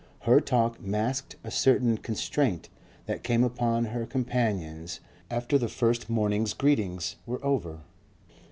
Her talk masked a certain constraint that came upon her companions after the first morning's greetings were over.